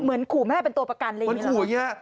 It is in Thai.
เหมือนขู่แม่เป็นตัวประกันอะไรอย่างนี้หรอ